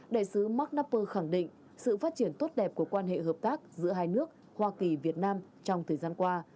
đại sứ marknapper khẳng định sự phát triển tốt đẹp của quan hệ hợp tác giữa hai nước hoa kỳ việt nam trong thời gian qua